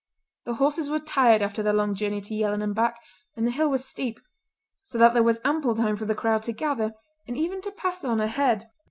The horses were tired after their long journey to Yellon and back, and the hill was steep, so that there was ample time for the crowd to gather and even to pass on ahead.